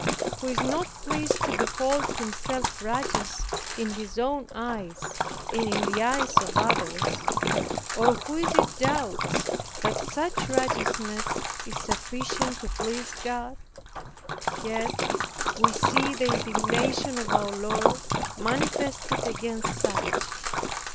Who is not pleased to behold himself righteous in his own eyes, and in the eyes of others? or, who is it doubts that such righteousness is sufficient to please God? Yet, we see the indignation of our Lord manifested against such.